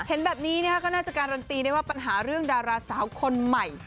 เห็นแบบนี้ก็น่าจะการันตีได้ว่าปัญหาเรื่องดาราสาวคนใหม่